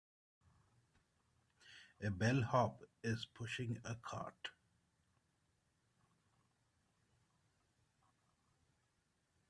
A bellhop is pushing a cart.